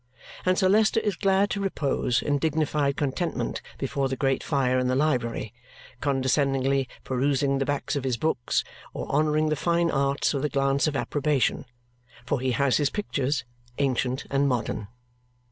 And Sir Leicester is glad to repose in dignified contentment before the great fire in the library, condescendingly perusing the backs of his books or honouring the fine arts with a glance of approbation. For he has his pictures, ancient and modern.